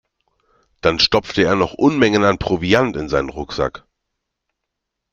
Dann stopfte er noch Unmengen an Proviant in seinen Rucksack.